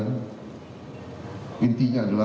untuk bangun bangsa indonesia